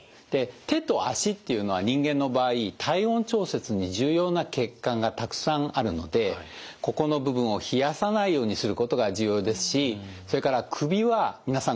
手と足っていうのは人間の場合体温調節に重要な血管がたくさんあるのでここの部分を冷やさないようにすることが重要ですしそれから首は皆さん